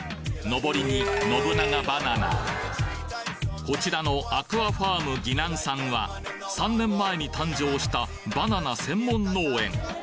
のぼりにこちらのアクアファーム・ぎなんさんは３年前に誕生したバナナ専門農園